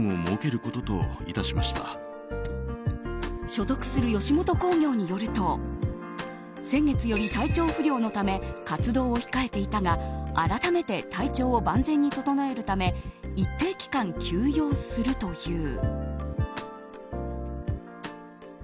所属する吉本興業によると先月より、体調不良のため活動を控えていたが改めて体調を万全に整えるため一定期間休養するという。